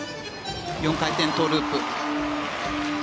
４回転トウループ。